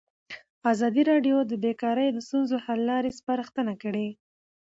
ازادي راډیو د بیکاري د ستونزو حل لارې سپارښتنې کړي.